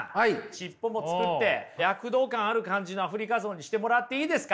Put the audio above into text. しっぽも作って躍動感ある感じのアフリカゾウにしてもらっていいですか？